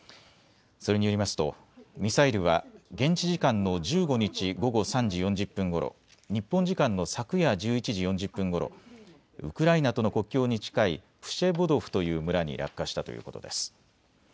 それによりますとミサイルは現地時間の１５日午後３時４０分ごろ、日本時間の昨夜１１時４０分ごろ、ウクライナとの国境に近いプシェボドフという村に落下したということです。